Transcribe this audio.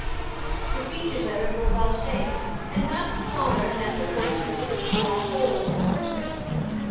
The features of it were well shaped, and not smaller than proportioned to the small whole of his person.